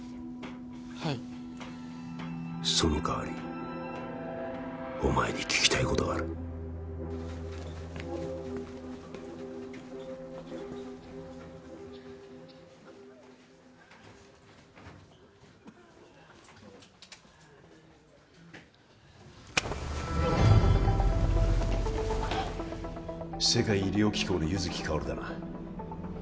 はいその代わりお前に聞きたいことがある世界医療機構の柚木薫だな